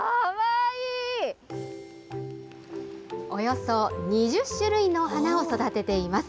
およそ２０種類の花を育てています。